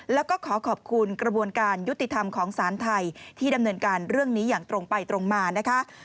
แล้วก็ขอขอบคุณกระบวนการยุติธรรมของสารไทยที่ดำเนินการเรื่องนี้อย่างตรงไปตรงมานะคะ